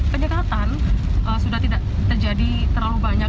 penyekatan sudah tidak terjadi terlalu banyak